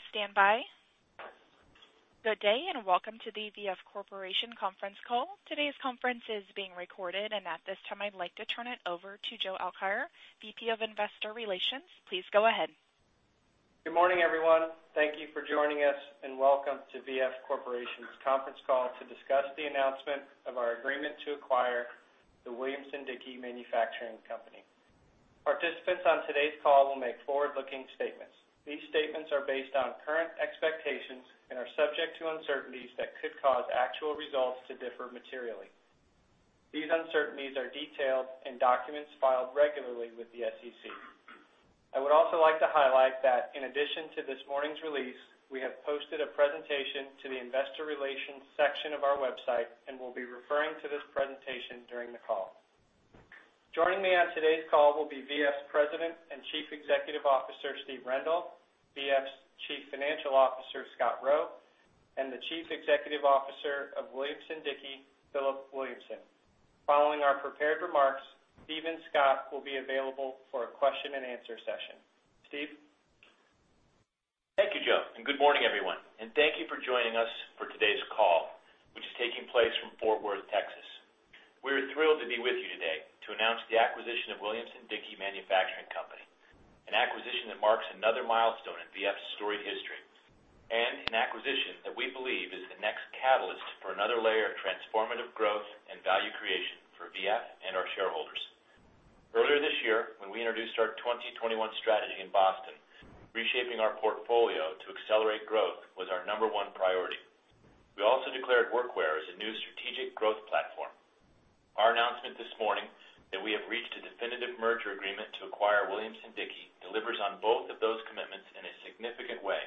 Please stand by. Good day, welcome to the V.F. Corporation conference call. Today's conference is being recorded, at this time, I'd like to turn it over to Joe Alkire, VP of Investor Relations. Please go ahead. Good morning, everyone. Thank you for joining us, welcome to V.F. Corporation's conference call to discuss the announcement of our agreement to acquire the Williamson-Dickie Manufacturing Company. Participants on today's call will make forward-looking statements. These statements are based on current expectations and are subject to uncertainties that could cause actual results to differ materially. These uncertainties are detailed in documents filed regularly with the SEC. I would also like to highlight that in addition to this morning's release, we have posted a presentation to the investor relations section of our website and will be referring to this presentation during the call. Joining me on today's call will be V.F.'s President and Chief Executive Officer, Steve Rendle, V.F.'s Chief Financial Officer, Scott Roe, and the Chief Executive Officer of Williamson-Dickie, Philip Williamson. Following our prepared remarks, Steve and Scott will be available for a question and answer session. Steve? Thank you, Joe, good morning, everyone. Thank you for joining us for today's call, which is taking place from Fort Worth, Texas. We're thrilled to be with you today to announce the acquisition of Williamson-Dickie Manufacturing Company, an acquisition that marks another milestone in V.F.'s storied history, an acquisition that we believe is the next catalyst for another layer of transformative growth and value creation for V.F. and our shareholders. Earlier this year, when we introduced our 2021 strategy in Boston, reshaping our portfolio to accelerate growth was our number 1 priority. We also declared workwear as a new strategic growth platform. Our announcement this morning that we have reached a definitive merger agreement to acquire Williamson-Dickie delivers on both of those commitments in a significant way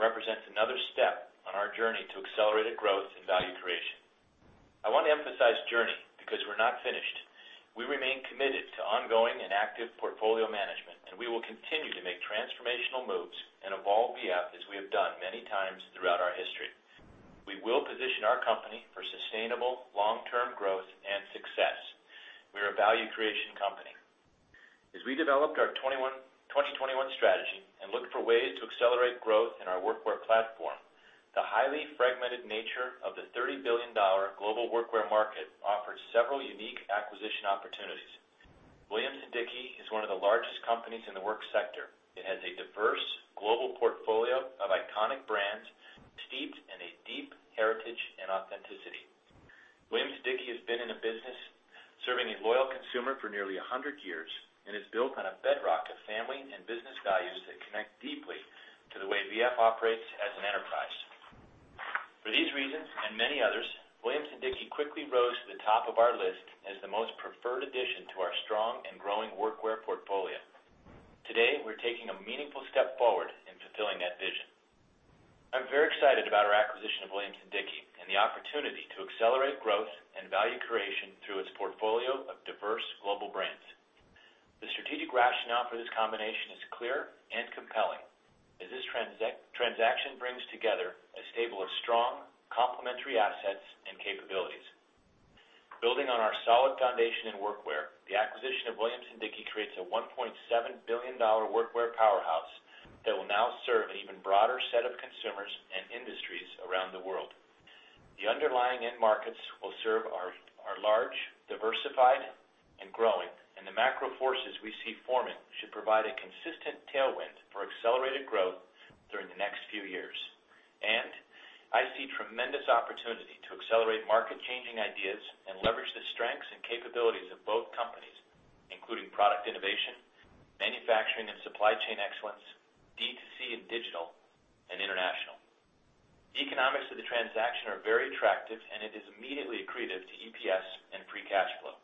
represents another step on our journey to accelerated growth and value creation. I want to emphasize journey, because we're not finished. We remain committed to ongoing and active portfolio management, we will continue to make transformational moves and evolve V.F. as we have done many times throughout our history. We will position our company for sustainable long-term growth and success. We're a value creation company. As we developed our 2021 strategy and looked for ways to accelerate growth in our workwear platform, the highly fragmented nature of the $30 billion global workwear market offered several unique acquisition opportunities. Williamson-Dickie is one of the largest companies in the work sector. It has a diverse global portfolio of iconic brands steeped in a deep heritage and authenticity. Williamson-Dickie has been in the business serving a loyal consumer for nearly 100 years and is built on a bedrock of family and business values that connect deeply to the way V.F. operates as an enterprise. For these reasons, and many others, Williamson-Dickie quickly rose to the top of our list as the most preferred addition to our strong and growing workwear portfolio. Today, we're taking a meaningful step forward in fulfilling that vision. I'm very excited about our acquisition of Williamson-Dickie and the opportunity to accelerate growth and value creation through its portfolio of diverse global brands. The strategic rationale for this combination is clear and compelling, as this transaction brings together a stable of strong, complementary assets and capabilities. Building on our solid foundation in workwear, the acquisition of Williamson-Dickie creates a $1.7 billion workwear powerhouse that will now serve an even broader set of consumers and industries around the world. The underlying end markets we'll serve are large, diversified, and growing, and the macro forces we see forming should provide a consistent tailwind for accelerated growth during the next few years. I see tremendous opportunity to accelerate market-changing ideas and leverage the strengths and capabilities of both companies, including product innovation, manufacturing and supply chain excellence, D2C and digital, and international. The economics of the transaction are very attractive, and it is immediately accretive to EPS and free cash flow.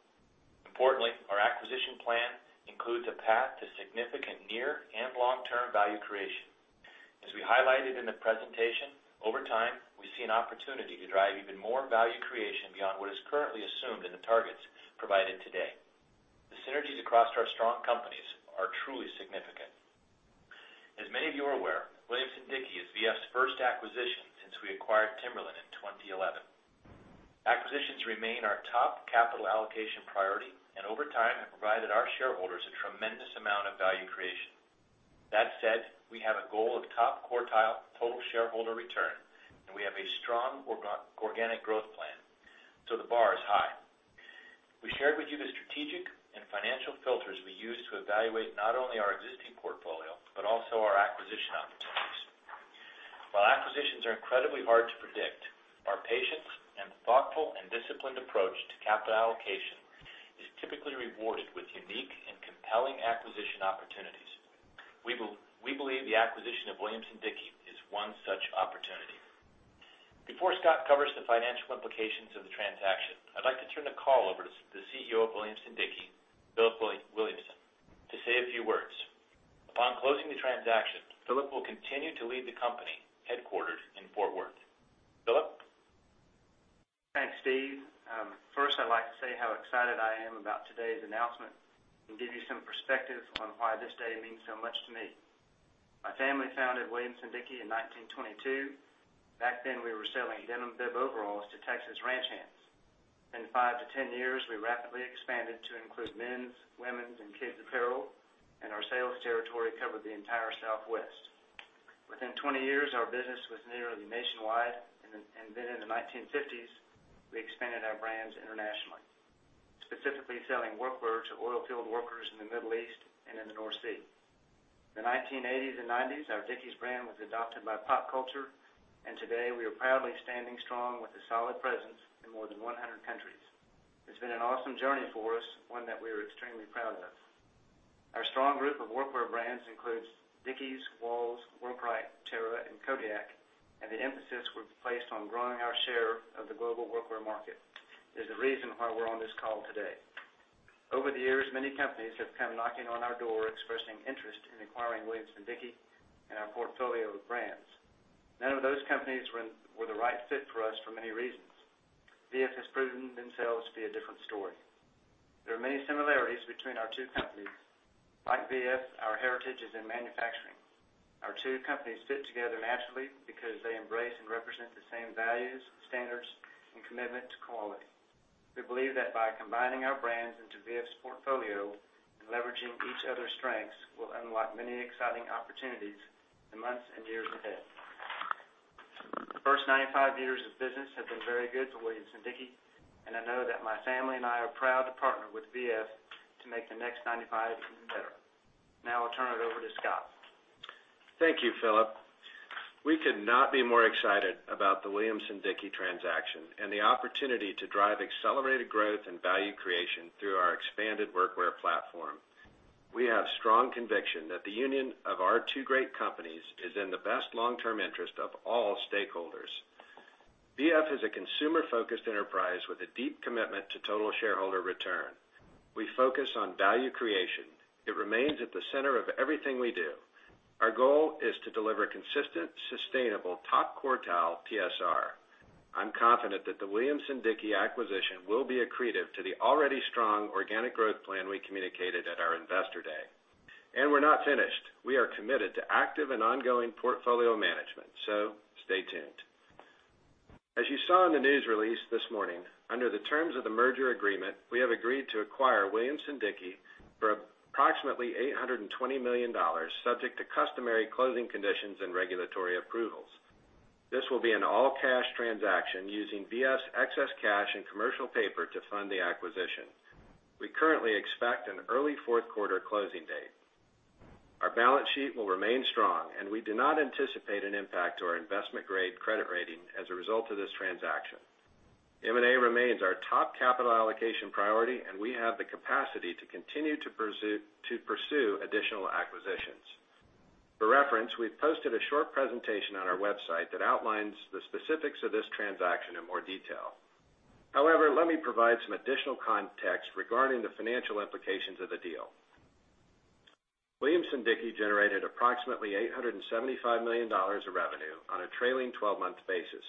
Importantly, our acquisition plan includes a path to significant near and long-term value creation. As we highlighted in the presentation, over time, we see an opportunity to drive even more value creation beyond what is currently assumed in the targets provided today. The synergies across our strong companies are truly significant. As many of you are aware, Williamson-Dickie is V.F.'s first acquisition since we acquired Timberland in 2011. Acquisitions remain our top capital allocation priority and over time have provided our shareholders a tremendous amount of value creation. That said, we have a goal of top quartile total shareholder return, and we have a strong organic growth plan, so the bar is high. We shared with you the strategic and financial filters we use to evaluate not only our existing portfolio, but also our acquisition opportunities. While acquisitions are incredibly hard to predict, our patience and thoughtful and disciplined approach to capital allocation is typically rewarded with unique and compelling acquisition opportunities. We believe the acquisition of Williamson-Dickie is one such opportunity. Before Scott covers the financial implications of the transaction, I'd like to turn the call over to the CEO of Williamson-Dickie, Philip Williamson, to say a few words. Upon closing the transaction, Philip will continue to lead the company headquartered in Fort Worth. Philip? Thanks, Steve. First, I'd like to say how excited I am about today's announcement and give you some perspective on why this day means so much to me. My family founded Williamson-Dickie in 1922. Back then, we were selling denim bib overalls to Texas ranch hands. In five to 10 years, we rapidly expanded to include men's, women's, and kids' apparel, and our sales territory covered the entire Southwest. Within 20 years, our business was nearly nationwide. In the 1950s, we expanded our brands internationally, specifically selling workwear to oil field workers in the Middle East and in the North Sea. In the 1980s and '90s, our Dickies brand was adopted by pop culture. Today we are proudly standing strong with a solid presence in more than 100 countries. It's been an awesome journey for us, one that we are extremely proud of. Our strong group of workwear brands includes Dickies, Walls, Workrite, Terra, and Kodiak. The emphasis we've placed on growing our share of the global workwear market is the reason why we're on this call today. Over the years, many companies have come knocking on our door expressing interest in acquiring Williamson-Dickie and our portfolio of brands. None of those companies were the right fit for us for many reasons. V.F. has proven themselves to be a different story. There are many similarities between our two companies. Like V.F., our heritage is in manufacturing. Our two companies fit together naturally because they embrace and represent the same values, standards, and commitment to quality. We believe that by combining our brands into V.F.'s portfolio and leveraging each other's strengths will unlock many exciting opportunities in months and years ahead. The first 95 years of business have been very good to Williamson-Dickie. I know that my family and I are proud to partner with V.F. to make the next 95 even better. I'll turn it over to Scott. Thank you, Philip. We could not be more excited about the Williamson-Dickie transaction and the opportunity to drive accelerated growth and value creation through our expanded workwear platform. We have strong conviction that the union of our two great companies is in the best long-term interest of all stakeholders. V.F. is a consumer-focused enterprise with a deep commitment to total shareholder return. We focus on value creation. It remains at the center of everything we do. Our goal is to deliver consistent, sustainable top quartile TSR. I'm confident that the Williamson-Dickie acquisition will be accretive to the already strong organic growth plan we communicated at our investor day. We're not finished. We are committed to active and ongoing portfolio management, stay tuned. As you saw in the news release this morning, under the terms of the merger agreement, we have agreed to acquire Williamson-Dickie for approximately $820 million, subject to customary closing conditions and regulatory approvals. This will be an all-cash transaction using V.F.'s excess cash and commercial paper to fund the acquisition. We currently expect an early fourth quarter closing date. Our balance sheet will remain strong. We do not anticipate an impact to our investment-grade credit rating as a result of this transaction. M&A remains our top capital allocation priority. We have the capacity to continue to pursue additional acquisitions. For reference, we've posted a short presentation on our website that outlines the specifics of this transaction in more detail. Let me provide some additional context regarding the financial implications of the deal. Williamson-Dickie generated approximately $875 million of revenue on a trailing 12-month basis.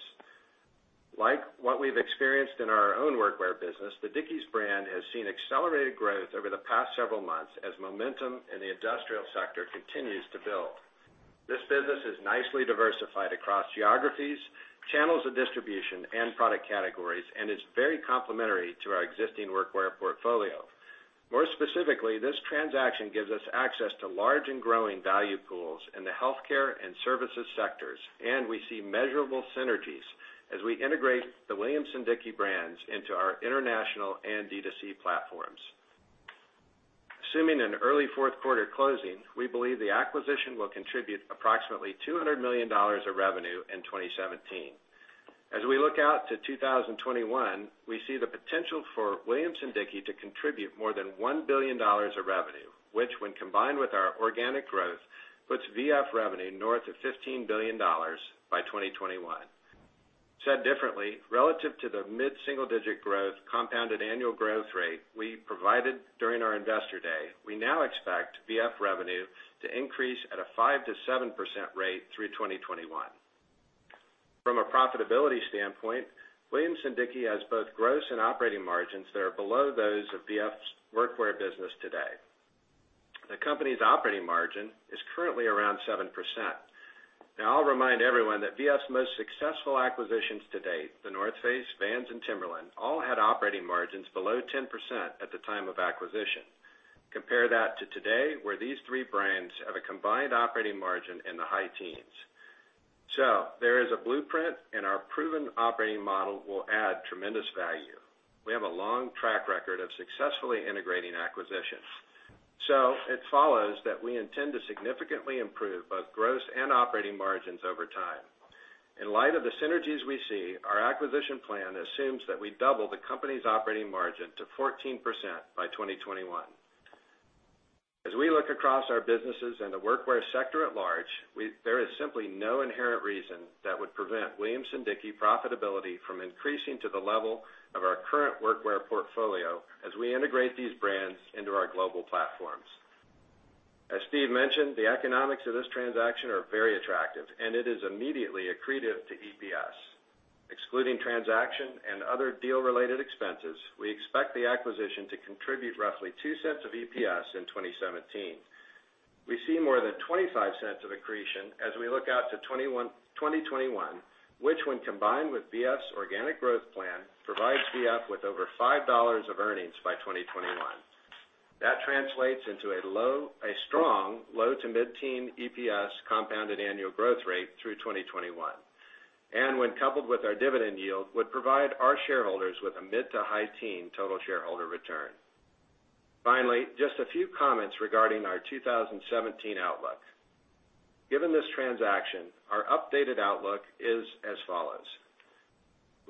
Like what we've experienced in our own workwear business, the Dickies brand has seen accelerated growth over the past several months as momentum in the industrial sector continues to build. This business is nicely diversified across geographies, channels of distribution, and product categories, and it's very complementary to our existing workwear portfolio. More specifically, this transaction gives us access to large and growing value pools in the healthcare and services sectors, and we see measurable synergies as we integrate the Williamson-Dickie brands into our international and D2C platforms. Assuming an early fourth quarter closing, we believe the acquisition will contribute approximately $200 million of revenue in 2017. As we look out to 2021, we see the potential for Williamson-Dickie to contribute more than $1 billion of revenue, which when combined with our organic growth, puts V.F. revenue north of $15 billion by 2021. Said differently, relative to the mid-single-digit growth compounded annual growth rate we provided during our investor day, we now expect V.F. revenue to increase at a 5%-7% rate through 2021. From a profitability standpoint, Williamson-Dickie has both gross and operating margins that are below those of V.F.'s workwear business today. The company's operating margin is currently around 7%. Now, I'll remind everyone that V.F.'s most successful acquisitions to date, The North Face, Vans, and Timberland, all had operating margins below 10% at the time of acquisition. Compare that to today, where these three brands have a combined operating margin in the high teens. There is a blueprint, and our proven operating model will add tremendous value. We have a long track record of successfully integrating acquisitions. It follows that we intend to significantly improve both gross and operating margins over time. In light of the synergies we see, our acquisition plan assumes that we double the company's operating margin to 14% by 2021. As we look across our businesses and the workwear sector at large, there is simply no inherent reason that would prevent Williamson-Dickie profitability from increasing to the level of our current workwear portfolio as we integrate these brands into our global platforms. As Steve mentioned, the economics of this transaction are very attractive, and it is immediately accretive to EPS. Excluding transaction and other deal-related expenses, we expect the acquisition to contribute roughly $0.02 of EPS in 2017. We see more than $0.25 of accretion as we look out to 2021, which when combined with VF's organic growth plan, provides VF with over $5 of earnings by 2021. That translates into a strong low to mid-teen EPS compounded annual growth rate through 2021. When coupled with our dividend yield, would provide our shareholders with a mid to high teen total shareholder return. Finally, just a few comments regarding our 2017 outlook. Given this transaction, our updated outlook is as follows.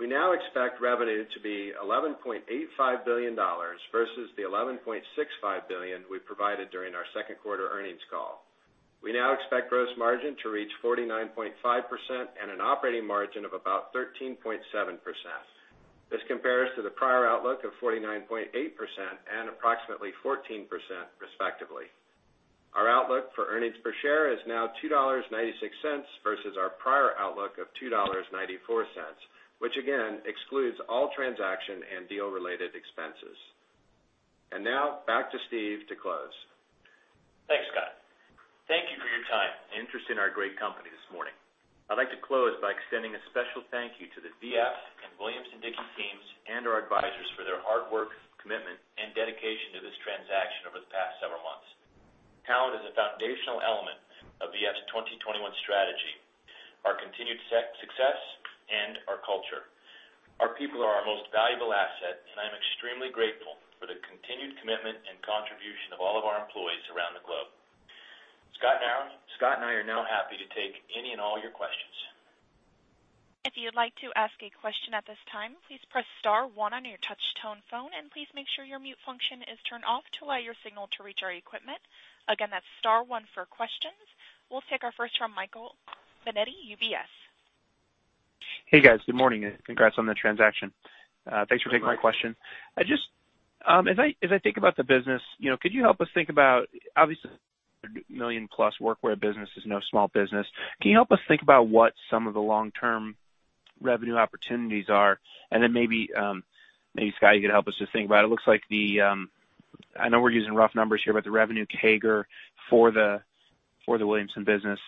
We now expect revenue to be $11.85 billion versus the $11.65 billion we provided during our second quarter earnings call. We now expect gross margin to reach 49.5% and an operating margin of about 13.7%. This compares to the prior outlook of 49.8% and approximately 14%, respectively. Our outlook for earnings per share is now $2.96 versus our prior outlook of $2.94, which again excludes all transaction and deal related expenses. Now back to Steve to close. Thanks, Scott. Thank you for your time and interest in our great company this morning. I'd like to close by extending a special thank you to the V.F. and Williamson-Dickie teams and our advisors for their hard work, commitment, and dedication to this transaction over the past several months. Talent is a foundational element of V.F.'s 2021 strategy, our continued success, and our culture. Our people are our most valuable asset, and I'm extremely grateful for the continued commitment and contribution of all of our employees around the globe. Scott and I are now happy to take any and all your questions. If you'd like to ask a question at this time, please press *1 on your touch tone phone and please make sure your mute function is turned off to allow your signal to reach our equipment. Again, that's *1 for questions. We'll take our first from Michael Binetti, UBS. Hey, guys. Good morning. Congrats on the transaction. Thanks for taking my question. As I think about the business, could you help us think about, obviously, the million-plus workwear business is no small business. Can you help us think about what some of the long-term revenue opportunities are? Then maybe, Scott, you could help us to think about. I know we're using rough numbers here, but the revenue CAGR for the Williamson-Dickie business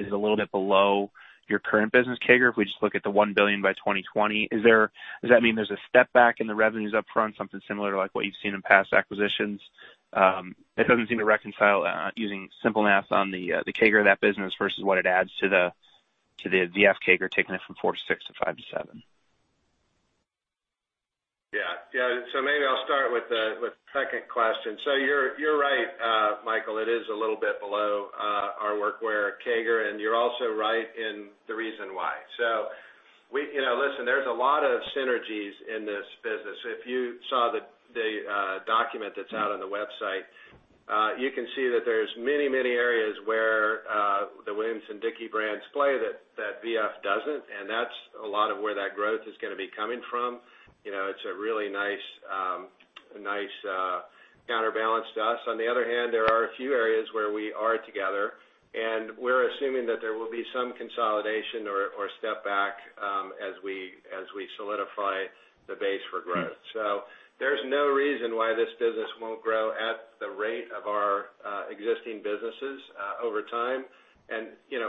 is a little bit below your current business CAGR. If we just look at the $1 billion by 2020, does that mean there's a step back in the revenues up front, something similar to what you've seen in past acquisitions? It doesn't seem to reconcile using simple math on the CAGR of that business versus what it adds to the V.F. CAGR, taking it from 4% to 6% to 5% to 7%. Yeah. Maybe I'll start with the second question. You're right, Michael. It is a little bit below our workwear CAGR, and you're also right in the reason why. Listen, there's a lot of synergies in this business. If you saw the document that's out on the website, you can see that there's many areas where the Williamson-Dickie brands play that V.F. doesn't, and that's a lot of where that growth is going to be coming from. It's a really nice counterbalance to us. On the other hand, there are a few areas where we are together, and we're assuming that there will be some consolidation or step back as we solidify the base for growth. There's no reason why this business won't grow at the rate of our existing businesses over time.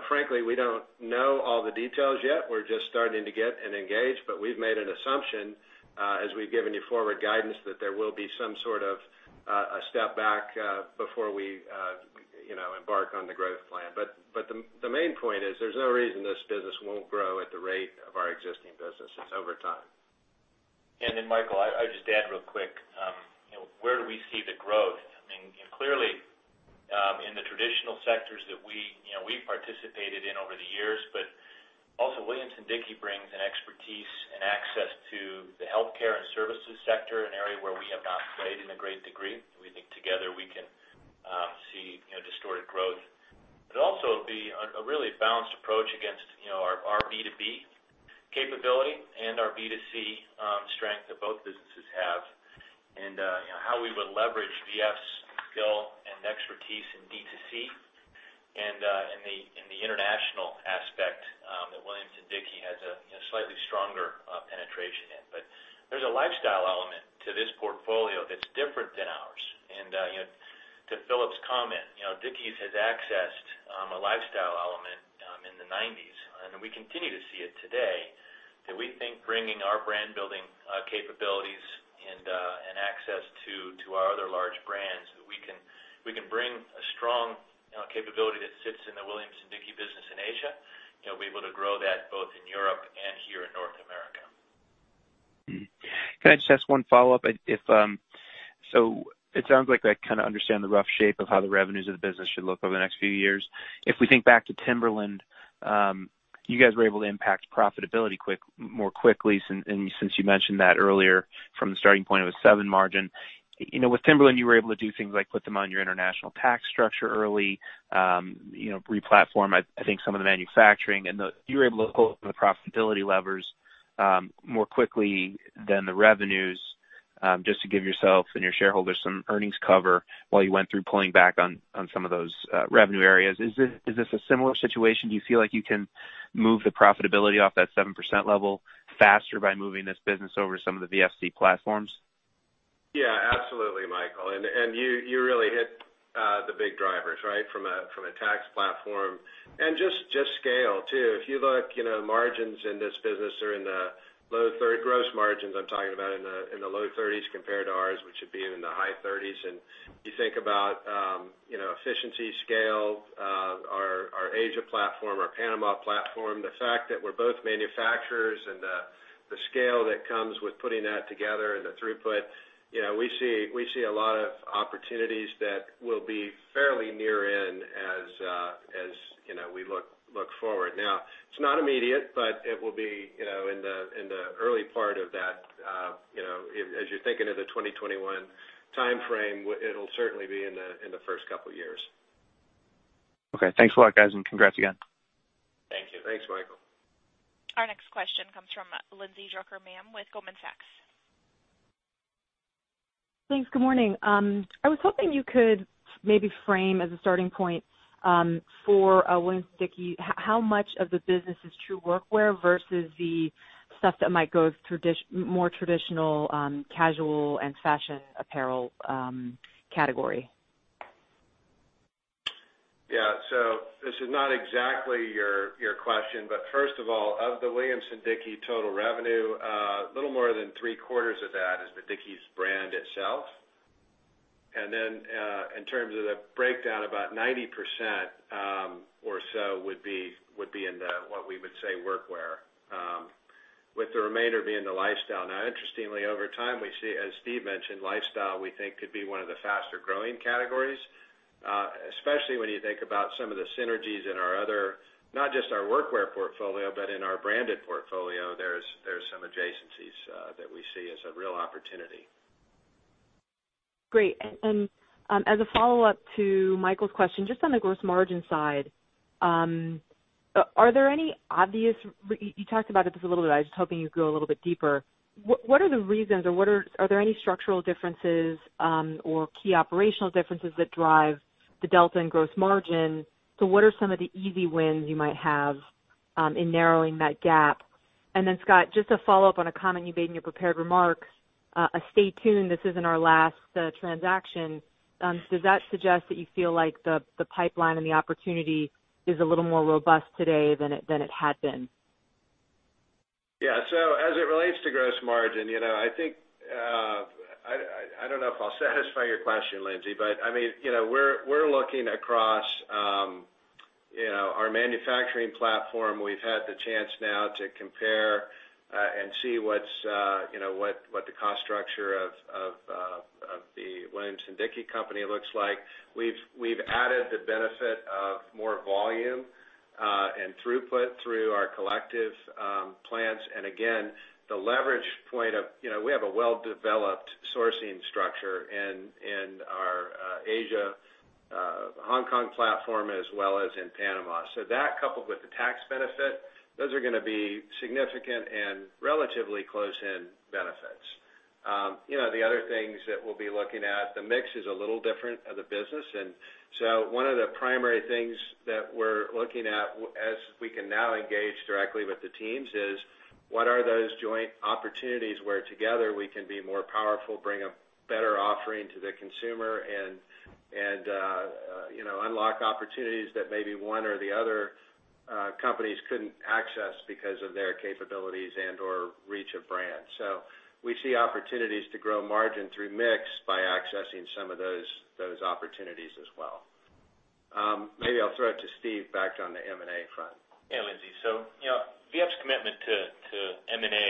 Frankly, we don't know all the details yet. We're just starting to get and engage. We've made an assumption, as we've given you forward guidance, that there will be some sort of a step back before we embark on the growth plan. The main point is there's no reason this business won't grow at the rate of our existing businesses over time. Michael, I would just add real quick. Where do we see the growth? I mean, clearly, in the traditional sectors that we've participated in over the years, Williamson-Dickie brings an expertise and access to the healthcare and services sector, an area where we have not played in a great degree. We think together we can see distorted growth. Also, it'll be a really balanced approach against our B2B capability and our B2C strength that both businesses have, and how we would leverage VF's skill and expertise in B2C and in the international aspect that Williamson-Dickie has a slightly stronger penetration in. There's a lifestyle element to this portfolio that's different than ours. To Philip's comment, Dickies has accessed a lifestyle element in the '90s, we continue to see it today, that we think bringing our brand building capabilities and access to our other large brands, that we can bring a strong capability that sits in the Williamson-Dickie business in Asia, we'll be able to grow that both in Europe and here in North America. Can I just ask one follow-up? It sounds like I kind of understand the rough shape of how the revenues of the business should look over the next few years. If we think back to Timberland, you guys were able to impact profitability more quickly since you mentioned that earlier from the starting point of a 7% margin. With Timberland, you were able to do things like put them on your international tax structure early, re-platform, I think some of the manufacturing, and you were able to pull the profitability levers more quickly than the revenues. Just to give yourself and your shareholders some earnings cover while you went through pulling back on some of those revenue areas. Is this a similar situation? Do you feel like you can move the profitability off that 7% level faster by moving this business over to some of the VFC platforms? Yeah, absolutely, Michael. You really hit the big drivers, right? From a tax platform and just scale too. If you look, margins in this business are in the low 30s%, gross margins, I'm talking about, in the low 30s% compared to ours, which would be in the high 30s%. You think about efficiency, scale, our Asia platform, our Panama platform, the fact that we're both manufacturers and the scale that comes with putting that together and the throughput. We see a lot of opportunities that will be fairly near in as we look forward. Now, it's not immediate, but it will be in the early part of that. As you're thinking of the 2021 timeframe, it'll certainly be in the first couple of years. Okay. Thanks a lot, guys, and congrats again. Thank you. Thanks, Michael. Our next question comes from Lindsay Drucker Mann with Goldman Sachs. Thanks. Good morning. I was hoping you could maybe frame as a starting point, for Williamson-Dickie, how much of the business is true workwear versus the stuff that might go more traditional, casual and fashion apparel category. Yeah. This is not exactly your question, but first of all, of the Williamson-Dickie total revenue, little more than three quarters of that is the Dickies brand itself. In terms of the breakdown, about 90% or so would be in the, what we would say, workwear, with the remainder being the lifestyle. Interestingly, over time, we see, as Steve mentioned, lifestyle, we think, could be one of the faster-growing categories, especially when you think about some of the synergies in our other, not just our workwear portfolio, but in our branded portfolio. There's some adjacencies that we see as a real opportunity. Great. As a follow-up to Michael's question, just on the gross margin side, are there any you talked about it just a little bit, I was just hoping you'd go a little bit deeper. What are the reasons or are there any structural differences, or key operational differences that drive the delta in gross margin? Scott, just to follow up on a comment you made in your prepared remarks, a "Stay tuned, this isn't our last transaction." Does that suggest that you feel like the pipeline and the opportunity is a little more robust today than it had been? Yeah. As it relates to gross margin, I don't know if I'll satisfy your question, Lindsay, but we're looking across our manufacturing platform. We've had the chance now to compare, and see what the cost structure of the Williamson-Dickie company looks like. We've added the benefit of more volume, and throughput through our collective plants. Again, the leverage point of, we have a well-developed sourcing structure in our Asia, Hong Kong platform, as well as in Panama. That, coupled with the tax benefit, those are gonna be significant and relatively close in benefits. The other things that we'll be looking at, the mix is a little different of the business. One of the primary things that we're looking at, as we can now engage directly with the teams, is what are those joint opportunities where together we can be more powerful, bring a better offering to the consumer and unlock opportunities that maybe one or the other companies couldn't access because of their capabilities and/or reach of brand. We see opportunities to grow margin through mix by accessing some of those opportunities as well. Maybe I'll throw it to Steve, back on the M&A front. Yeah, Lindsay. VF's commitment to M&A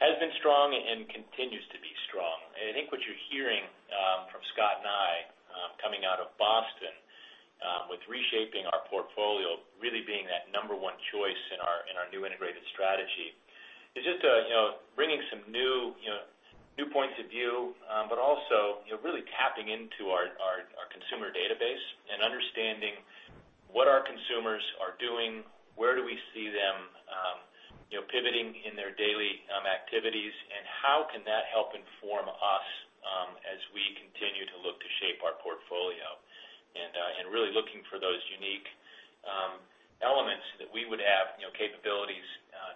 has been strong and continues to be strong. I think what you're hearing from Scott and I, coming out of Boston, with reshaping our portfolio, really being that number 1 choice in our new integrated strategy, is just bringing some new points of view, but also really tapping into our consumer database and understanding what our consumers are doing, where do we see them pivoting in their daily activities, and how can that help inform us as we continue to look to shape our portfolio. Really looking for those unique elements that we would have capabilities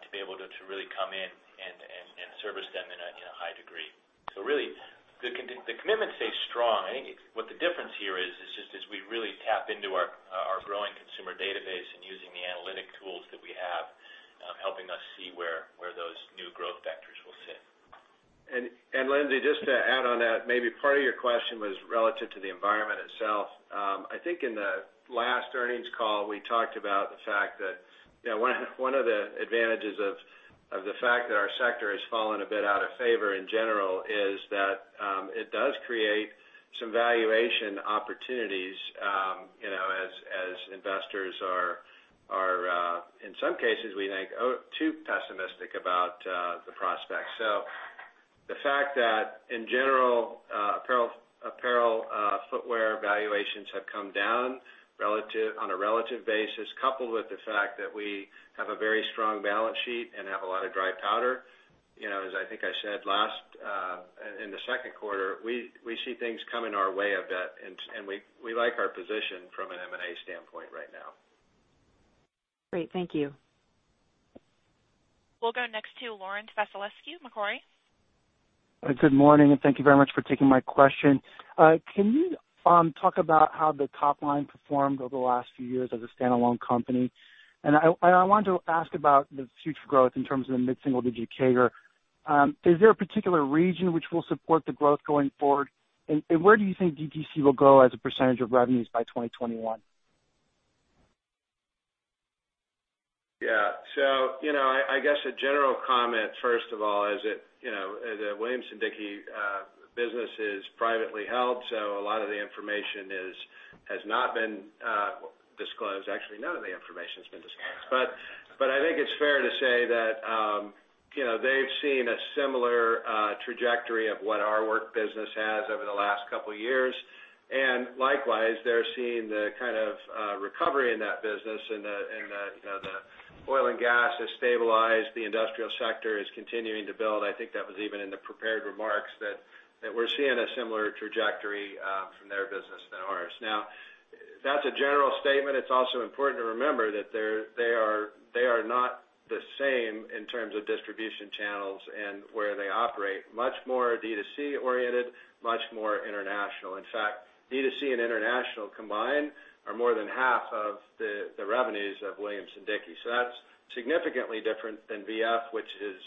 to be able to really come in and service them in a high degree. Really, the commitment stays strong. I think what the difference here is just as we really tap into our growing consumer database and using the analytic tools that we have, helping us see where those new growth vectors will sit. Lindsay, just to add on that, maybe part of your question was relative to the environment itself. I think in the last earnings call, we talked about the fact that one of the advantages of the fact that our sector has fallen a bit out of favor in general is that, it does create some valuation opportunities, as investors are, in some cases, we think, too pessimistic about the prospects. The fact that in general our valuations have come down on a relative basis, coupled with the fact that we have a very strong balance sheet and have a lot of dry powder. As I think I said in the second quarter, we see things coming our way a bit, and we like our position from an M&A standpoint right now. Great. Thank you. We'll go next to Laurent Vasilescu, Macquarie. Good morning, thank you very much for taking my question. Can you talk about how the top line performed over the last few years as a standalone company? I want to ask about the future growth in terms of the mid-single-digit CAGR. Is there a particular region which will support the growth going forward? Where do you think DTC will go as a % of revenues by 2021? I guess a general comment, first of all, is that the Williams Sonoma business is privately held, so a lot of the information has not been disclosed. Actually, none of the information's been disclosed. I think it's fair to say that they've seen a similar trajectory of what our work business has over the last couple of years. Likewise, they're seeing the kind of recovery in that business and the oil and gas has stabilized. The industrial sector is continuing to build. I think that was even in the prepared remarks that we're seeing a similar trajectory from their business than ours. That's a general statement. It's also important to remember that they are not the same in terms of distribution channels and where they operate. Much more D2C oriented, much more international. In fact, D2C and international combined are more than half of the revenues of Williams Sonoma. That's significantly different than V.F., which is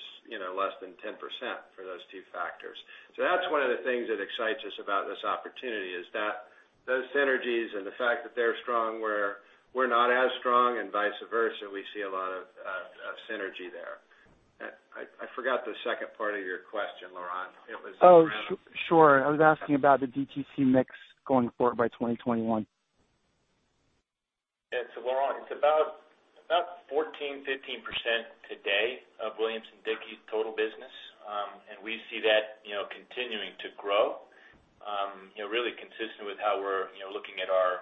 less than 10% for those two factors. That's one of the things that excites us about this opportunity, is that those synergies and the fact that they're strong where we're not as strong and vice versa, we see a lot of synergy there. I forgot the second part of your question, Laurent. Sure. I was asking about the DTC mix going forward by 2021. Laurent, it's about 14%, 15% today of Williams Sonoma total business. We see that continuing to grow really consistent with how we're looking at our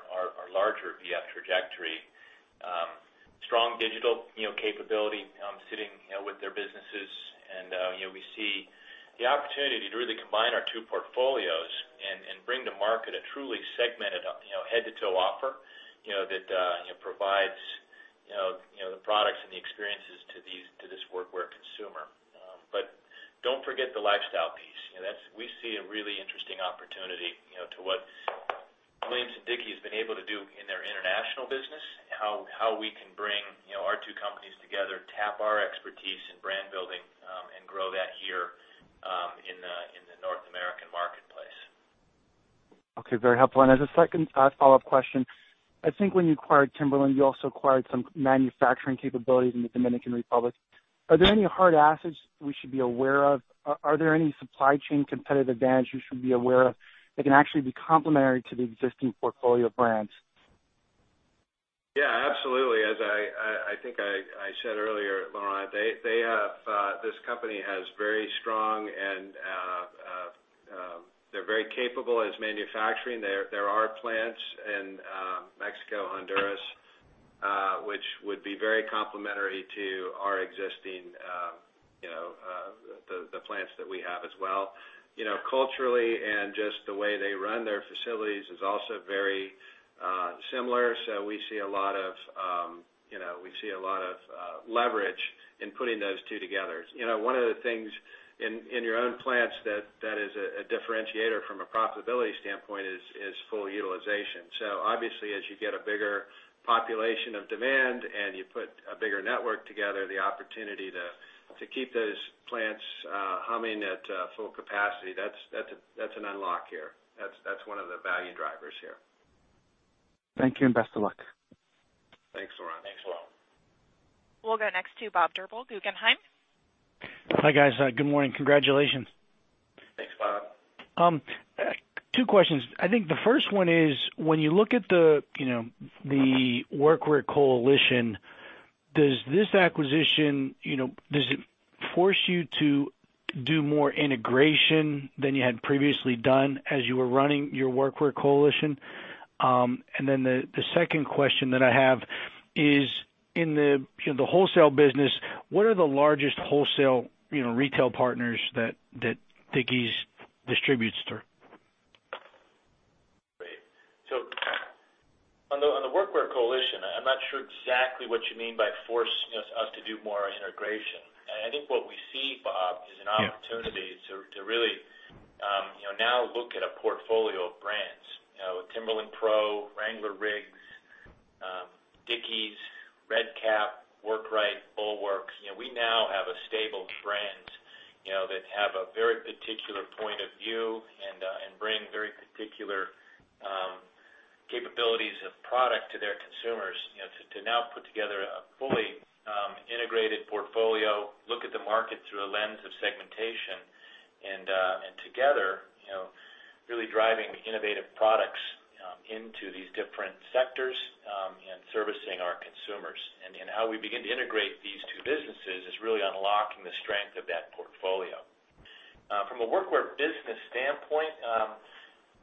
larger V.F. trajectory. Strong digital capability sitting with their businesses. We see the opportunity to really combine our two portfolios and bring to market a truly segmented head-to-toe offer that provides the products and the experiences to this workwear consumer. Don't forget the lifestyle piece. We see a really interesting opportunity to what Williams Sonoma has been able to do in their international business, how we can bring our two companies together, tap our expertise in brand building, and grow that here in the North American marketplace. Okay. Very helpful. As a second follow-up question, I think when you acquired Timberland, you also acquired some manufacturing capabilities in the Dominican Republic. Are there any hard assets we should be aware of? Are there any supply chain competitive advantage we should be aware of that can actually be complementary to the existing portfolio of brands? Yeah, absolutely. As I think I said earlier, Laurent, this company has very strong and they're very capable as manufacturing. There are plants in Mexico, Honduras, which would be very complementary to our existing plants that we have as well. Culturally, and just the way they run their facilities is also very similar. We see a lot of leverage in putting those two together. One of the things in your own plants that is a differentiator from a profitability standpoint is full utilization. Obviously, as you get a bigger population of demand and you put a bigger network together, the opportunity to keep those plants humming at full capacity, that's an unlock here. That's one of the value drivers here. Thank you, and best of luck. Thanks, Laurent. We'll go next to Bob Drbul, Guggenheim. Hi, guys. Good morning. Congratulations. Thanks, Bob. Two questions. I think the first one is, when you look at the Workwear coalition, does this acquisition force you to do more integration than you had previously done as you were running your Workwear coalition? The second question that I have is in the wholesale business, what are the largest wholesale retail partners that Dickies distributes through? Great. On the Workwear coalition, I'm not sure exactly what you mean by force us to do more integration. I think what we see, Bob. Yeah It is an opportunity to really now look at a portfolio of brands. With Timberland PRO, Wrangler RIGGS, Dickies, Red Kap, Workrite, Bulwark. We now have a stable of brands that have a very particular point of view and bring very particular capabilities of product to their consumers. To now put together a fully integrated portfolio, look at the market through a lens of segmentation, and together really driving innovative products into these different sectors and servicing our consumers. How we begin to integrate these two businesses is really unlocking the strength of that portfolio. From a workwear business standpoint,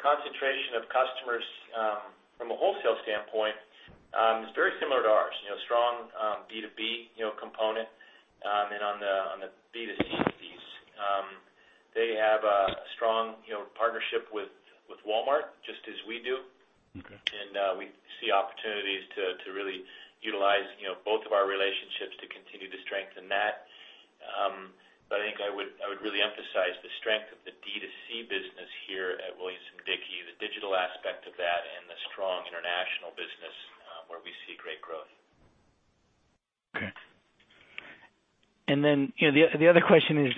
concentration of customers from a wholesale standpoint is very similar to ours, strong B2B component and on the B2C piece. They have a strong partnership with Walmart, just as we do. Okay. We see opportunities to really utilize both of our relationships to continue to strengthen that. I think I would really emphasize the strength of the D2C business here at Williamson-Dickie, the digital aspect of that, and the strong international business where we see great growth. Okay. The other question is,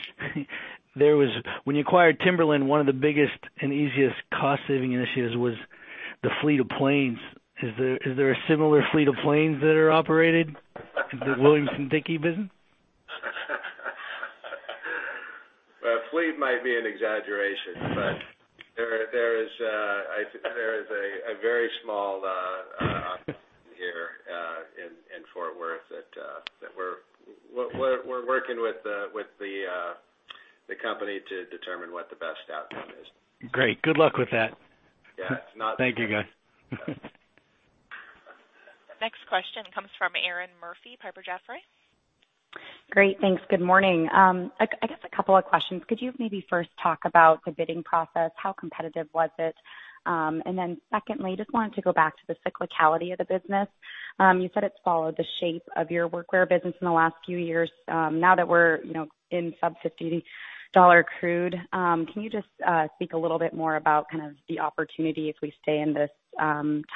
when you acquired Timberland, one of the biggest and easiest cost-saving initiatives was the fleet of planes. Is there a similar fleet of planes that are operated in the Williamson-Dickie business? A fleet might be an exaggeration, there is a very small operation here in Fort Worth that we're working with the company to determine what the best outcome is. Great. Good luck with that. Yeah, it's not. Thank you, guys. Next question comes from Erinn Murphy, Piper Jaffray. Great. Thanks. Good morning. I guess a couple of questions. Could you maybe first talk about the bidding process? How competitive was it? Then secondly, just wanted to go back to the cyclicality of the business. You said it's followed the shape of your workwear business in the last few years. Now that we're in sub-$50 crude, can you just speak a little bit more about kind of the opportunity as we stay in this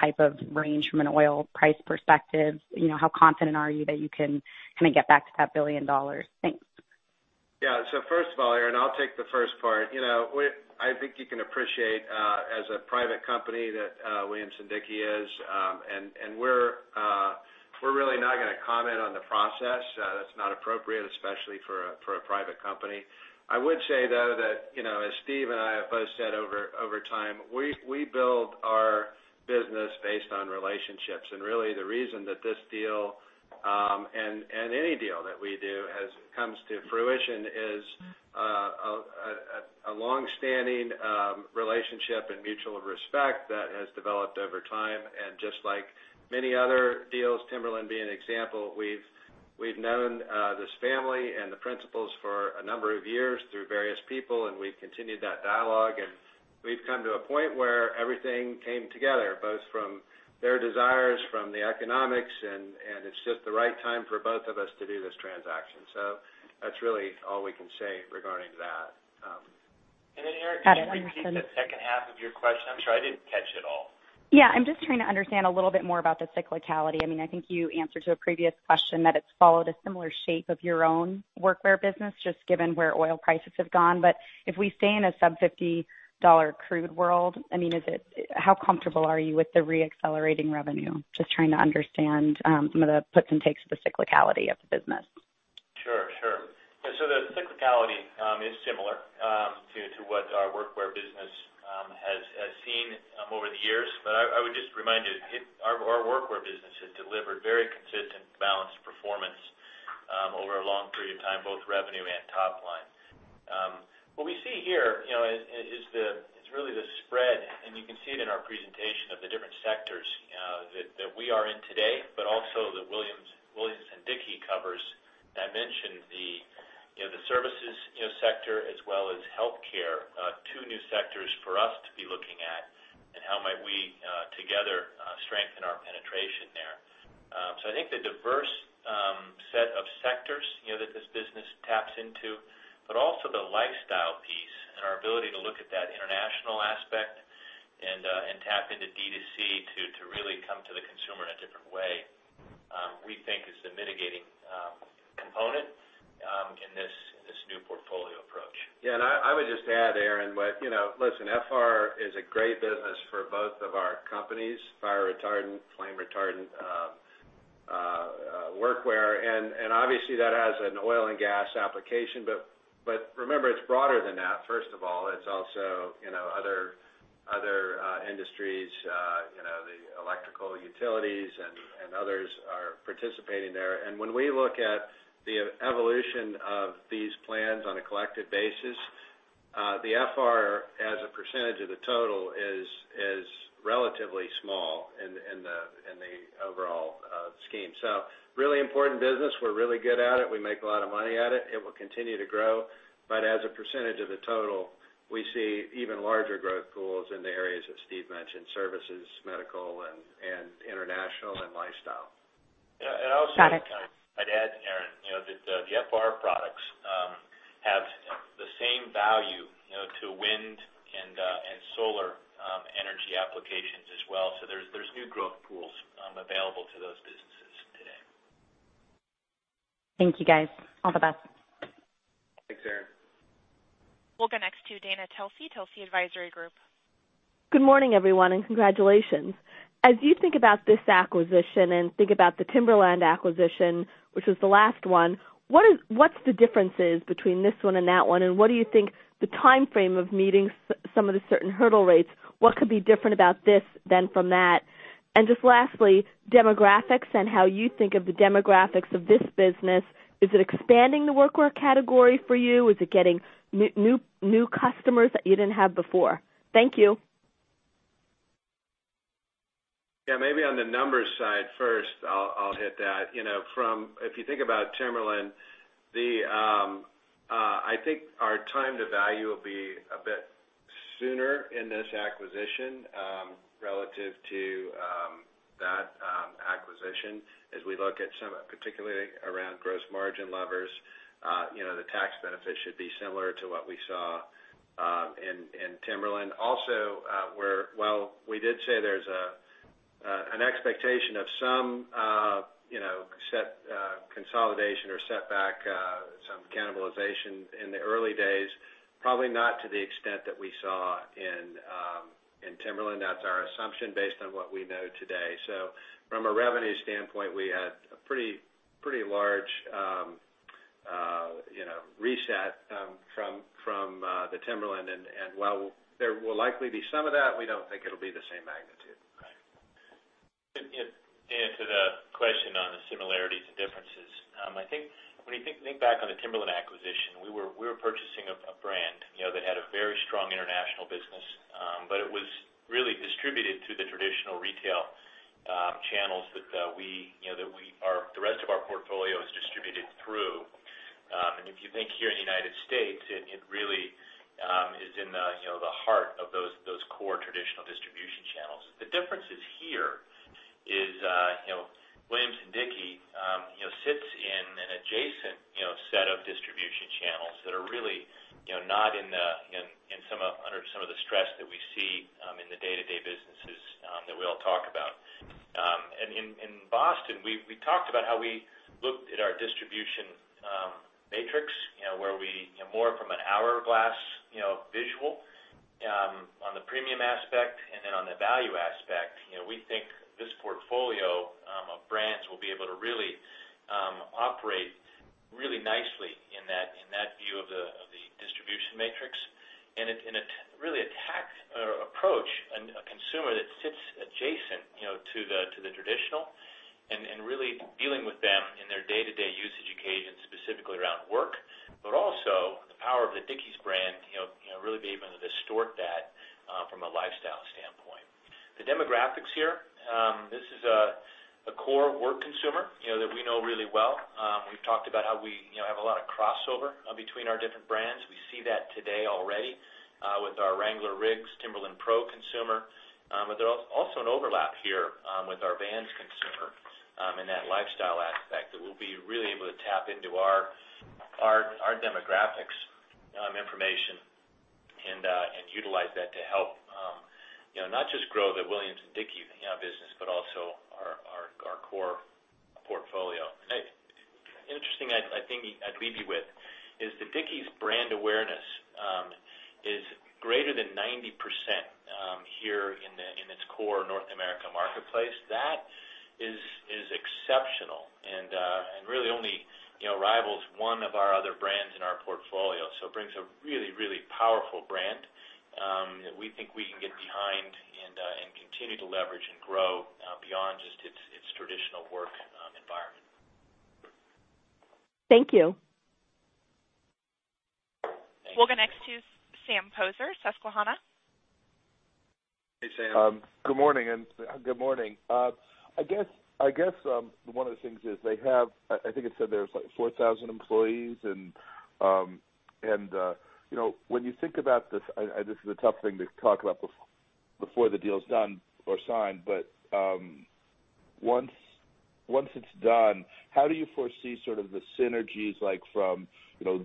type of range from an oil price perspective? How confident are you that you can get back to that $1 billion? Thanks. First of all, Erinn, I'll take the first part. I think you can appreciate, as a private company that Williamson-Dickie is, and we're really not going to comment on the process. That's not appropriate, especially for a private company. I would say, though, that as Steve and I have both said over time, we build our business based on relationships. Really, the reason that this deal, and any deal that we do comes to fruition is a longstanding relationship and mutual respect that has developed over time. Just like many other deals, Timberland being an example, we've known this family and the principals for a number of years through various people, and we've continued that dialogue, and we've come to a point where everything came together, both from their desires, from the economics, and it's just the right time for both of us to do this transaction. That's really all we can say regarding that. Erinn- Got it. One more second Could you repeat the second half of your question? I'm sorry, I didn't catch it all. I'm just trying to understand a little bit more about the cyclicality. I think you answered to a previous question that it's followed a similar shape of your own workwear business, just given where oil prices have gone. If we stay in a sub-$50 crude world, how comfortable are you with the re-accelerating revenue? Just trying to understand some of the puts and takes of the cyclicality of the business. Sure. The cyclicality is similar to what our workwear business has seen over the years. I would just remind you, our workwear business has delivered very consistent, balanced performance over a long period of time, both revenue and top line. What we see here is really the spread, and you can see it in our presentation of the different sectors that we are in today, but also that Williamson-Dickie covers. I mentioned the services sector as well as healthcare, two new sectors for us to be looking at, and how might we together strengthen our penetration there. I think the diverse set of sectors that this business taps into, but also the lifestyle piece and our ability to look at that international aspect and tap into D2C to really come to the consumer in a different way, we think is the mitigating component in this new portfolio approach. Erinn, listen, FR is a great business for both of our companies, fire retardant, flame retardant workwear, and obviously, that has an oil and gas application. Remember, it's broader than that, first of all. It's also other industries, the electrical utilities and others are participating there. When we look at the evolution of these plans on a collective basis, the FR as a percentage of the total is relatively small in the overall scheme. Really important business. We're really good at it. We make a lot of money at it. It will continue to grow. As a percentage of the total, we see even larger growth pools in the areas that Steve mentioned, services, medical, and international, and lifestyle. Yeah. Got it. I'd add, Erinn, that the FR products have the same value to wind and solar energy applications as well. There's new growth pools available to those businesses today. Thank you, guys. All the best. Thanks, Erinn. We'll go next to Dana Telsey, Advisory Group. Good morning, everyone. Congratulations. As you think about this acquisition and think about the Timberland acquisition, which was the last one, what's the differences between this one and that one? What do you think the timeframe of meeting some of the certain hurdle rates, what could be different about this than from that? Just lastly, demographics and how you think of the demographics of this business. Is it expanding the workwear category for you? Is it getting new customers that you didn't have before? Thank you. Yeah, maybe on the numbers side first, I'll hit that. If you think about Timberland, I think our time to value will be a bit sooner in this acquisition relative to that acquisition, as we look at some, particularly around gross margin levers. The tax benefit should be similar to what we saw in Timberland. Also, while we did say there's an expectation of some consolidation or setback, some cannibalization in the early days, probably not to the extent that we saw in Timberland. That's our assumption based on what we know today. From a revenue standpoint, we had a pretty large reset from the Timberland. While there will likely be some of that, we don't think it'll be the same magnitude. Right. To answer the question on the similarities and differences, I think when you think back on the Timberland acquisition, we were purchasing a brand that had a very strong international business. It was really distributed through the traditional retail channels that the rest of our portfolio is distributed through. If you think here in the U.S., it really is in the heart of those core traditional distribution channels. The differences here is Williamson-Dickie sits in an adjacent set of distribution channels that are really not under some of the stress that we see in the day-to-day businesses that we all talk about. In Boston, we talked about how we looked at our distribution matrix, where we, more from an hourglass visual, on the premium aspect and then on the value aspect. We think this portfolio of brands will be able to really operate really nicely in that view of the distribution matrix. Really attack or approach a consumer that sits adjacent to the traditional and really dealing with them in their day-to-day usage occasions, specifically around work, but also the power of the Dickies brand, really be able to distort that from a lifestyle standpoint. The demographics here, this is a core work consumer that we know really well. We've talked about how we have a lot of crossover between our different brands. We see that today already with our Wrangler RIGGS, Timberland PRO consumer. There's also an overlap here with our Vans consumer in that lifestyle aspect, that we'll be really able to tap into our demographics information and utilize that to help, not just grow the Williamson-Dickie business, but also our core portfolio. An interesting, I think, I'd leave you with is the Dickies brand awareness is greater than 90% here in its core North America marketplace. That is exceptional and really only rivals one of our other brands in our portfolio. It brings a really, really powerful brand that we think we can get behind and continue to leverage and grow beyond just its traditional work environment. Thank you. Thank you. We'll go next to Sam Poser, Susquehanna. Hey, Sam. Good morning. I guess, one of the things is they have, I think it said there's 4,000 employees. When you think about this is a tough thing to talk about before the deal's done or signed. Once it's done, how do you foresee sort of the synergies like from,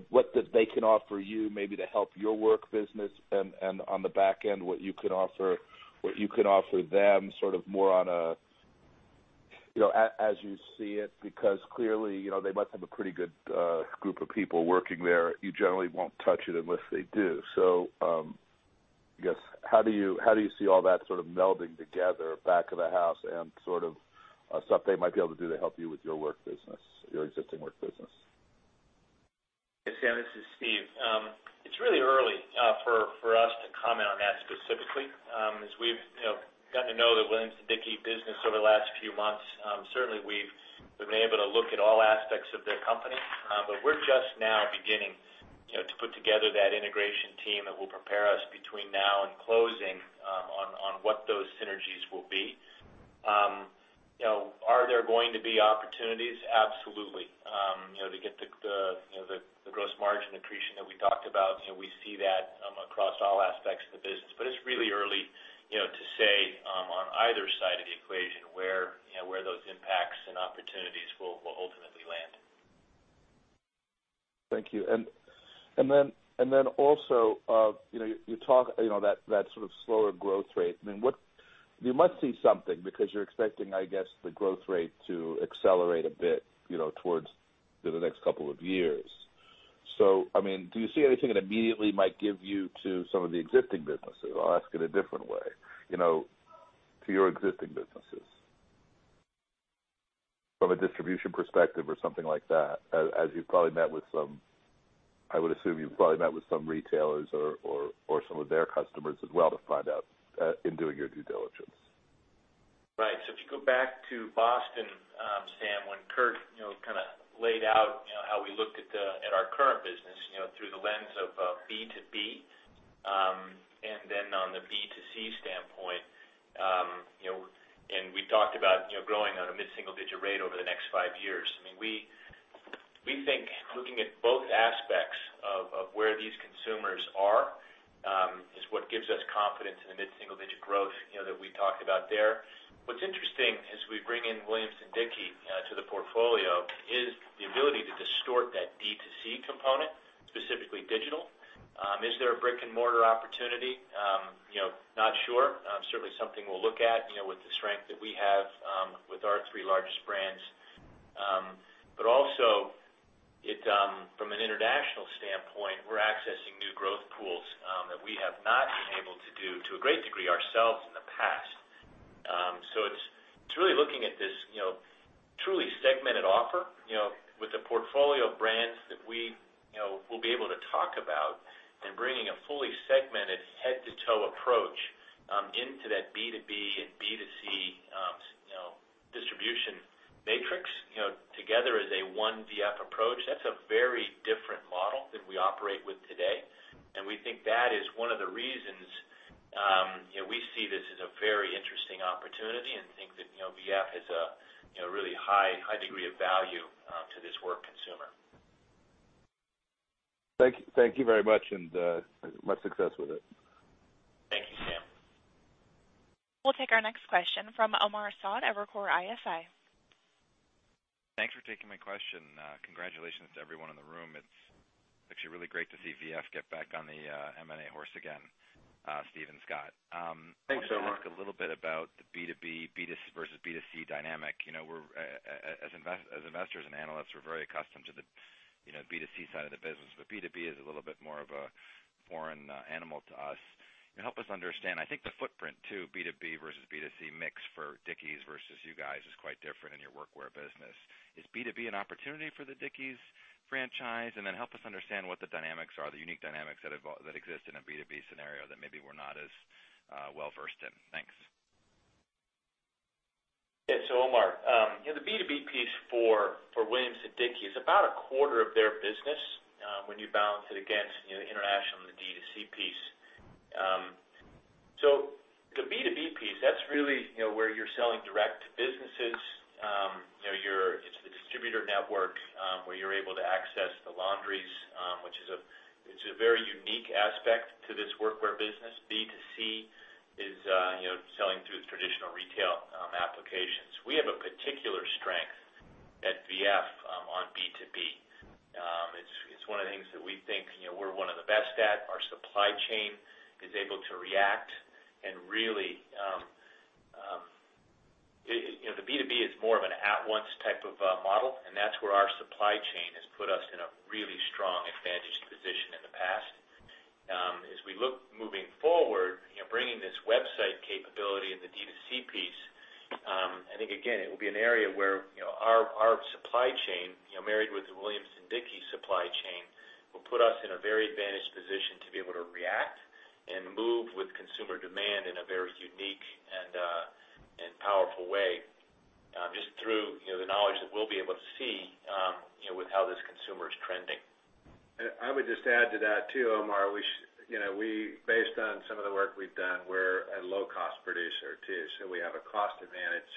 what they can offer you maybe to help your work business and on the back end, what you can offer them sort of more on a as you see it, because clearly, they must have a pretty good group of people working there. You generally won't touch it unless they do. I guess, how do you see all that sort of melding together back of the house and sort of stuff they might be able to do to help you with your existing work business? Yeah, Sam, this is Steve. It's really early for us to comment on that specifically. As we've gotten to know the Williamson-Dickie business over the last few months, certainly we've been able to look at all aspects of their company. We're just now beginning to put together that integration team that will prepare us between now and closing on what those synergies will be. Are there going to be opportunities? Absolutely. To get the gross margin accretion that we talked about, we see that across all aspects of the business. It's really early to say on either side of the equation where those impacts and opportunities will ultimately land. Thank you. Also, you talk, that sort of slower growth rate. You must see something because you're expecting, I guess, the growth rate to accelerate a bit towards the next couple of years. Do you see anything it immediately might give you to some of the existing businesses? I'll ask it a different way. To your existing businesses. From a distribution perspective or something like that, as you've probably met with some, I would assume you've probably met with some retailers or some of their customers as well to find out, in doing your due diligence. Right. If you go back to Boston Sam, when Kurt kind of laid out how we looked at our current business through the lens of B2B, and then on the B2C standpoint. We talked about growing on a mid-single-digit rate over the next five years. We think looking at both aspects of where these consumers are, is what gives us confidence in the mid-single-digit growth that we talked about there. What's interesting as we bring in Williamson-Dickie to the portfolio is the ability to distort that D2C component, specifically digital. Is there a brick and mortar opportunity? Not sure. Certainly, something we'll look at, with the strength that we have with our three largest brands. Also, from an international standpoint, we're accessing new growth pools that we have not been able to do to a great degree ourselves in the past. It's really looking at this truly segmented offer, with a portfolio of brands that we'll be able to talk about and bringing a fully segmented head-to-toe approach into that B2B and B2C distribution matrix. Together as one V.F. approach, that's a very different model than we operate with today. We think that is one of the reasons we see this as a very interesting opportunity and think that V.F. has a really high degree of value to this work consumer. Thank you very much and much success with it. Thank you, Sam. We'll take our next question from Omar Saad, Evercore ISI. Thanks for taking my question. Congratulations to everyone in the room. It's actually really great to see V.F. get back on the M&A horse again, Steve and Scott. Thanks, Omar. I want to ask a little bit about the B2B versus B2C dynamic. As investors and analysts, we're very accustomed to the B2C side of the business, but B2B is a little bit more of a foreign animal to us. Help us understand, I think the footprint too, B2B versus B2C mix for Dickies versus you guys is quite different in your workwear business. Is B2B an opportunity for the Dickies franchise? Then help us understand what the dynamics are, the unique dynamics that exist in a B2B scenario that maybe we're not as well-versed in. Thanks. Yeah. Omar, the B2B piece for Williamson-Dickie is about a quarter of their business, when you balance it against international and the D2C piece. The B2B piece, that's really where you're selling direct to businesses. It's the distributor network, where you're able to access the laundries, which is a very unique aspect to this workwear business. B2C is selling through the traditional retail applications. We have a particular strength at VF on B2B. It's one of the things that we think we're one of the best at. Our supply chain is able to react and The B2B is more of an at-once type of model, and that's where our supply chain has put us in a really strong advantaged position in the past. As we look moving forward, bringing this website capability in the D2C piece, I think, again, it will be an area where our supply chain, married with the Williamson-Dickie's supply chain, will put us in a very advantaged position to be able to react and move with consumer demand in a very unique and powerful way, just through the knowledge that we'll be able to see with how this consumer is trending. I would just add to that too, Omar. Based on some of the work we've done, we're a low-cost producer too, so we have a cost advantage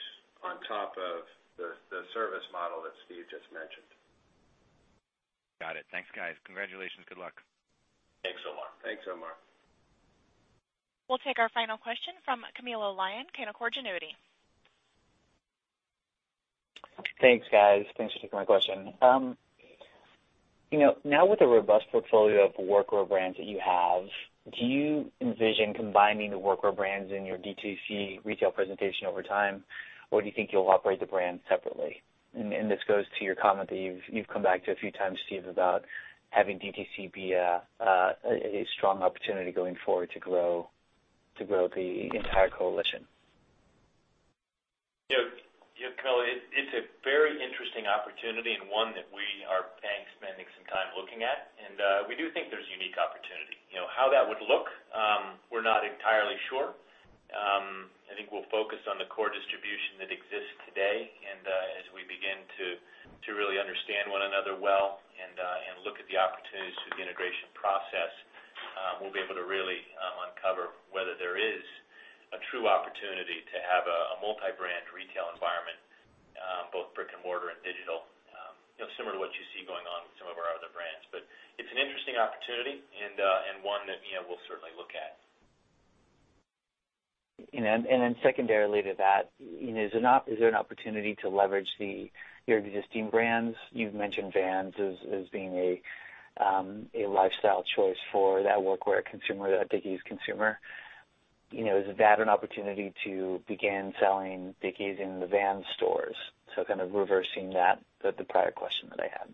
on top of the service model that Steve just mentioned. Got it. Thanks, guys. Congratulations. Good luck. Thanks, Omar. Thanks, Omar. We'll take our final question from Camilo Lyon, Canaccord Genuity. Thanks, guys. Thanks for taking my question. With the robust portfolio of workwear brands that you have, do you envision combining the workwear brands in your D2C retail presentation over time, or do you think you'll operate the brands separately? This goes to your comment that you've come back to a few times, Steve, about having D2C be a strong opportunity going forward to grow the entire coalition. Camilo, it's a very interesting opportunity. One that we are spending some time looking at, and we do think there's unique opportunity. How that would look, we're not entirely sure. I think we'll focus on the core distribution that exists today, as we begin to really understand one another well and look at the opportunities through the integration process, we'll be able to really uncover whether there is a true opportunity to have a multi-brand retail environment, both brick and mortar and digital. Similar to what you see going on with some of our other brands. It's an interesting opportunity, and one that we'll certainly look at. Secondarily to that, is there an opportunity to leverage your existing brands? You've mentioned Vans as being a lifestyle choice for that workwear consumer, that Dickies consumer. Is that an opportunity to begin selling Dickies in the Vans stores? Kind of reversing that, the prior question that I had.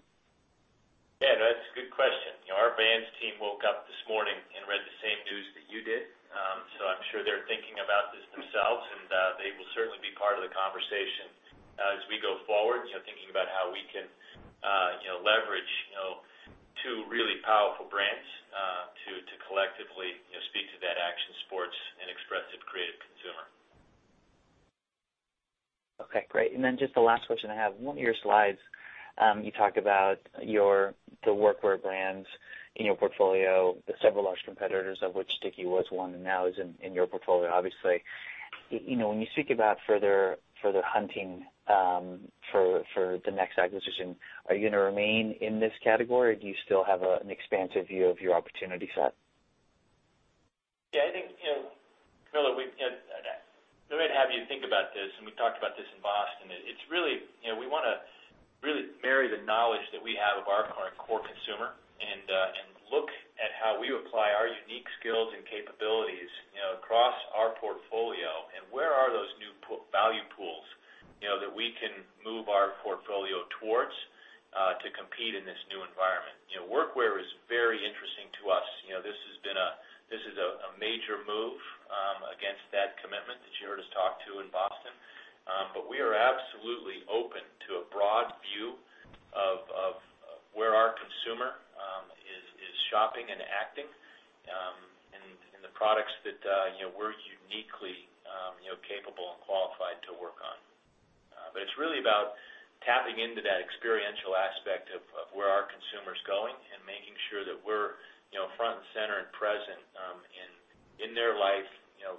Yeah. No, that's a good question. Our Vans team woke up this morning and read the same news that you did. I'm sure they're thinking about this themselves, and they will certainly be part of the conversation. As we go forward, thinking about how we can leverage two really powerful brands to collectively speak to that action sports and expressive creative consumer. Okay, great. Just the last question I have. One of your slides, you talked about the workwear brands in your portfolio, the several large competitors of which Dickies was one and now is in your portfolio, obviously. When you speak about further hunting for the next acquisition, are you going to remain in this category, or do you still have an expansive view of your opportunity set? Yeah, I think, Camilo, the way to have you think about this, and we talked about this in Boston, is we want to really marry the knowledge that we have of our core consumer and look at how we apply our unique skills and capabilities across our portfolio and where are those new value pools that we can move our portfolio towards to compete in this new environment. Workwear is very interesting to us. This is a major move against that commitment that you heard us talk to in Boston. We are absolutely open to a broad view of where our consumer is shopping and acting and the products that we're uniquely capable and qualified to work on. It's really about tapping into that experiential aspect of where our consumer's going and making sure that we're front and center and present in their life,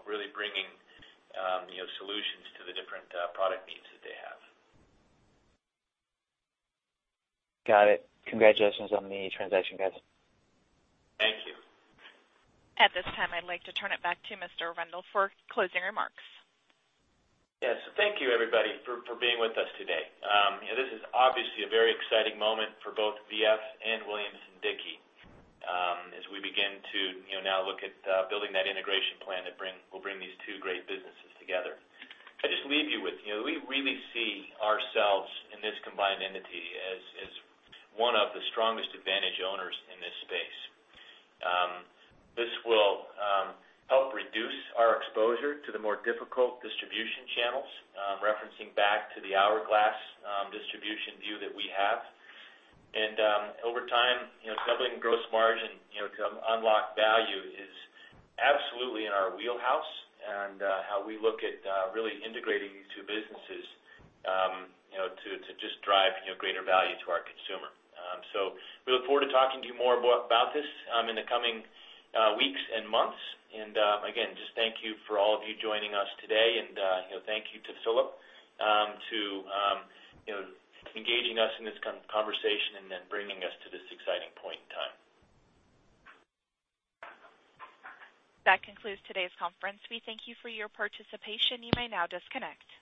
really bringing solutions to the different product needs that they have. Got it. Congratulations on the transaction, guys. Thank you. At this time, I'd like to turn it back to Mr. Rendle for closing remarks. Yes. Thank you, everybody, for being with us today. This is obviously a very exciting moment for both V.F. and Williamson-Dickie, as we begin to now look at building that integration plan that will bring these two great businesses together. If I just leave you with, we really see ourselves in this combined entity as one of the strongest advantage owners in this space. This will help reduce our exposure to the more difficult distribution channels, referencing back to the hourglass distribution view that we have. Over time, doubling gross margin to unlock value is absolutely in our wheelhouse and how we look at really integrating these two businesses to just drive greater value to our consumer. We look forward to talking to you more about this in the coming weeks and months. Again, just thank you for all of you joining us today, and thank you to Philip to engaging us in this conversation and then bringing us to this exciting point in time. That concludes today's conference. We thank you for your participation. You may now disconnect.